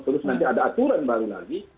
terus nanti ada aturan baru lagi